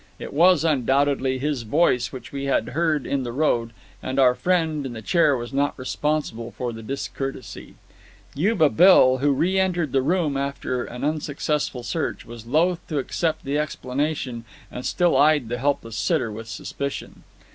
It was, undoubtedly, his voice which we had heard in the road, and our friend in the chair was not responsible for the discourtesy. Yuba Bill, who re entered the room after an unsuccessful search, was loath to accept the explanation, and still eyed the helpless sitter with suspicion.